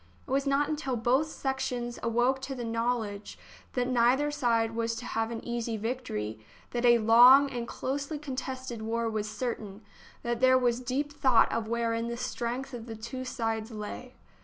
It was not until both sections awoke to the knowledge that neither side was to have an easy victory, but that a long and closely contested war was certain, that there was deep thought of wherein the strength of the two sides lay.